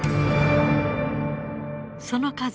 その数